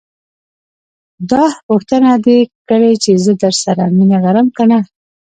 داح پوښتنه دې کړې چې زه درسره مينه لرم که نه.